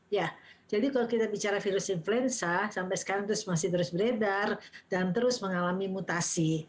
ya jadi kalau kita bicara virus influenza sampai sekarang terus masih terus beredar dan terus mengalami mutasi